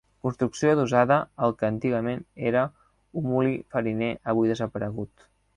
Construcció adossada al que antigament era un molí fariner avui desaparegut.